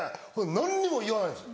何にも言わないんですよ。